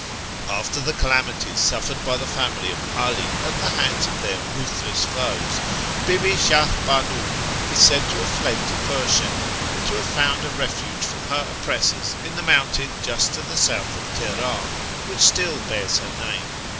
After the calamities suffered by the family of 'All at the hands of their ruthless foes, Bibi Shahr banii is said to have fled to Persia, and to have found a refuge from her oppressors in the mountain just to the south of Teheran which still bears her name.